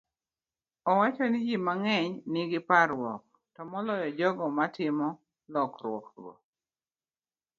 Owacho ni ji mang'eny nigi parruok, to moloyo jogo matimo lokruokgo.